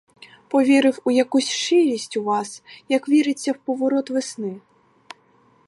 Повірив у якусь щирість у вас, як віриться в поворот весни!